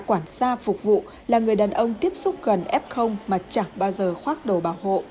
quản xa phục vụ là người đàn ông tiếp xúc gần f mà chẳng bao giờ khoác đồ bảo hộ